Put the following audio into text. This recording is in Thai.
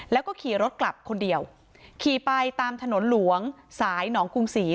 แล้วก็ขี่รถกลับคนเดียวขี่ไปตามถนนหลวงสายหนองกรุงศรี